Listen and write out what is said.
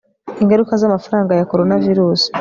ingaruka zamafaranga ya coronavirus